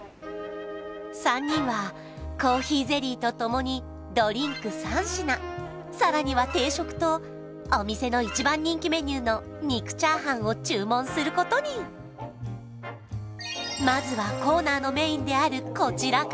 ３人はコーヒーゼリーとともにドリンク３品さらには定食とお店の一番人気メニューの肉チャーハンを注文することにお待たせしました